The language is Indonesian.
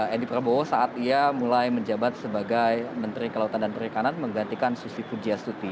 edi prabowo saat ia mulai menjabat sebagai menteri kelautan dan perikanan menggantikan susi pujastuti